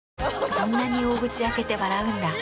そんなに大口開けて笑うんだ。